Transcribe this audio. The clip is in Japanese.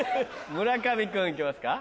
村上君行きますか？